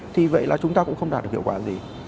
thì vậy là chúng ta cũng không đạt được hiệu quả gì